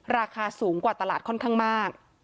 ราคาสูงกว่าตลาดค่อนข้างมาก